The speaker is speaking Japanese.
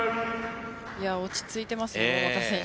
落ち着いていますね、桃田選手。